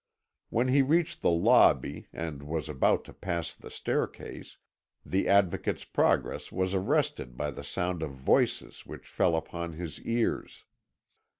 When he reached the lobby and was about to pass the staircase, the Advocate's progress was arrested by the sound of voices which fell upon his ears.